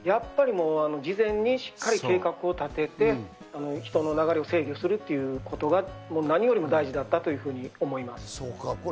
事前にしっかり計画を立てて人の流れを制御するということが何よりも大事だったというふうに思います。